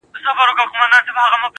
عقل پنډت حلالوي مرگ ته ملا ورکوي~